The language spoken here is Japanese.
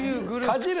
かじる。